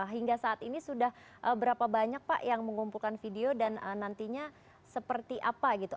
hingga saat ini sudah berapa banyak pak yang mengumpulkan video dan nantinya seperti apa gitu